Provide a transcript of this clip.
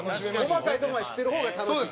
細かいとこまで知ってる方が楽しい。